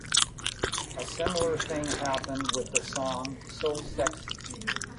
A similar thing happened with the song "So Sexy".